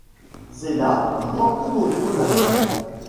C'est la du Grand Prix moto d'Allemagne.